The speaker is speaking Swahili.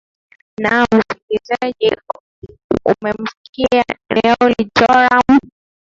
naam msikilizaji umemusikia noeli joram